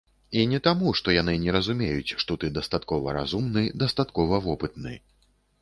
І не таму, што яны не разумеюць, што ты дастаткова разумны, дастаткова вопытны.